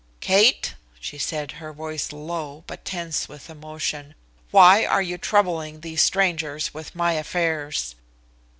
"Kate," she said, her voice low but tense with emotion. "Why are you troubling these strangers with my affairs?"